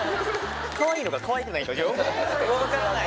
かわいいのか、かわいくないのか分からない。